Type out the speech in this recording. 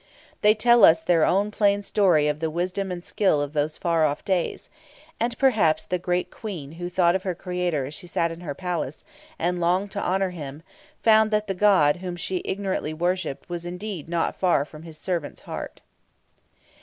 They tell us their own plain story of the wisdom and skill of those far off days; and perhaps the great Queen who thought of her Creator as she sat in her palace, and longed to honour Him, found that the God whom she ignorantly worshipped was indeed not far from His servant's heart.